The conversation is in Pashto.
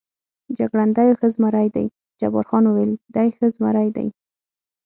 جګړن: دی یو ښه زمري دی، جبار خان وویل: دی ښه زمري دی.